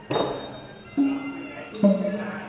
สวัสดีครับทุกคน